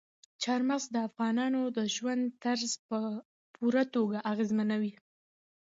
چار مغز د افغانانو د ژوند طرز په پوره توګه اغېزمنوي.